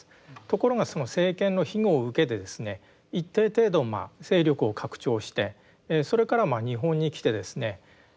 ところがその政権の庇護を受けてですね一定程度勢力を拡張してそれから日本に来てですね